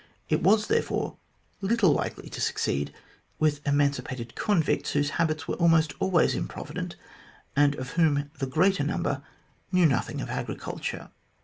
It was therefore little likely to succeed with emancipated convicts, whose habits were almost always improvident, and of whom much the greater number knew nothing of agri culture.